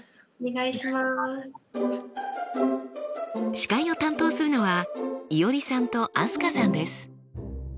司会を担当するのはいおりさんと飛鳥さんです。